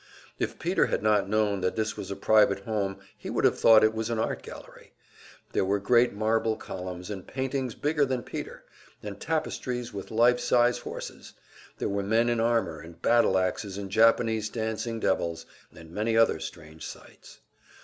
If Peter had not known that this was a private home he would have thought it was an art gallery. There were great marble columns, and paintings bigger than Peter, and tapestries with life size horses; there were men in armor, and battle axes and Japanese dancing devils, and many other strange sights.